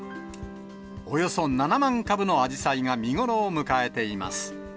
およそ７万株のあじさいが見頃を迎えています。